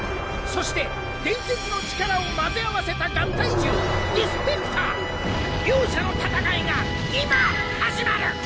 そして伝説の力を混ぜ合わせた合体獣ディスペクター。両者の戦いが今始まる！